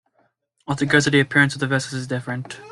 Altogether, the appearance of the vessels is different.